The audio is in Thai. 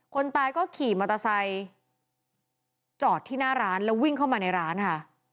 คนตายก็ขี่มอเตอร์ไซค์จอดที่หน้าร้านแล้ววิ่งเข้ามาในร้านค่ะ